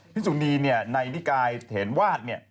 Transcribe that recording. พี่สุนีในนิกายเถรวาด